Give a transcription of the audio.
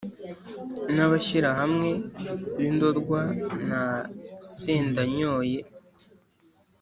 n’abashyirahamwe b’i ndorwa na sendanyoye,